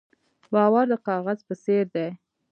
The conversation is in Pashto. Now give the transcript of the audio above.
باور د کاغذ په څېر دی.